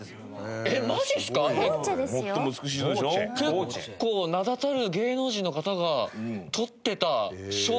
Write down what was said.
結構名だたる芸能人の方が取ってた賞。